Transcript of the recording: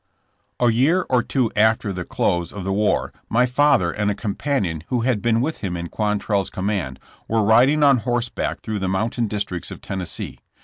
A year or two after the close of the war my father and a companion who had been with him in Quantrell's command, were riding on horseback through the mountain districts of Tennessee.